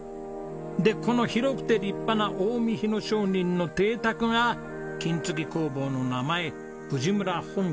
でこの広くて立派な近江日野商人の邸宅が金継ぎの工房の名前藤村本家に関係があるんですよね。